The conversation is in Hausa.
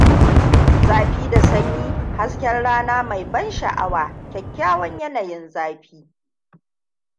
Zafi da sanyi, hasken rana mai ban sha'awa, Kyakkyawan yanayin zafi!